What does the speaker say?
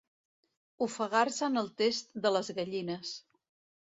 Ofegar-se en el test de les gallines.